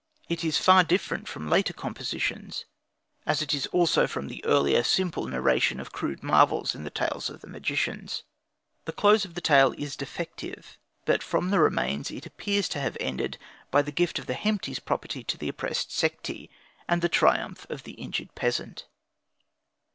It is far different from later compositions, as it is also from the earlier simple narration of crude marvels in the tales of the magicians. The close of the tale is defective, but from the remains it appears to have ended by the gift of the Hemti's property to the oppressed Sekhti and the triumph of the injured peasant.